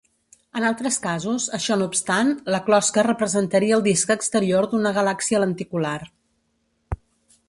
En altres casos, això no obstant, la closca representaria el disc exterior d'una galàxia lenticular.